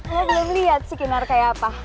lo belum liat sih kinar kayak apa